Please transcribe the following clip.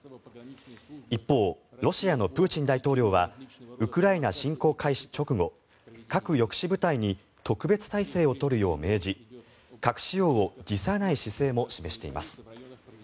一方、ロシアのプーチン大統領はウクライナ侵攻開始直後核抑止部隊に特別態勢を取るよう命じ核使用を辞さない姿勢も示しています。